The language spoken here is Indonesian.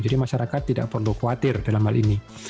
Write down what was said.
jadi masyarakat tidak perlu khawatir dalam hal ini